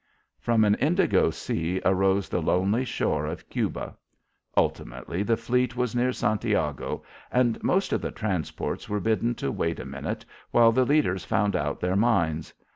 From an indigo sea arose the lonely shore of Cuba. Ultimately, the fleet was near Santiago, and most of the transports were bidden to wait a minute while the leaders found out their minds.